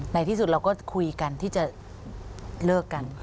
ในที่สุดเราก็คุยกันที่จะเลิกกัน